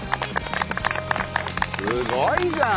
すごいじゃん。